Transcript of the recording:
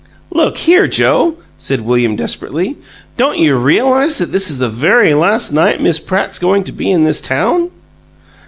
"Look here, Joe," said William, desperately, "don't you realize that this is the very last night Miss Pratt's going to be in this town?"